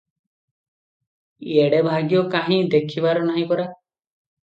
ଏଡ଼େ ଭାଗ୍ୟ କାହିଁ ଦେଖିବାର ନାହିଁ ପରା!